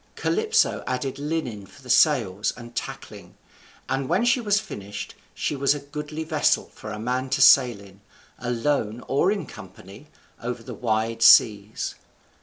Calypso added linen for the sails, and tackling; and when she was finished, she was a goodly vessel for a man to sail in, alone or in company, over the wide seas.